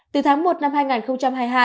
từ tháng một năm hai nghìn hai mươi hai